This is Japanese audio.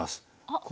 あっ。